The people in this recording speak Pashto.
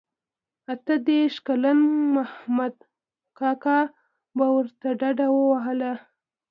اته دیرش کلن مخامد کاکا به ورته ډډه وهله.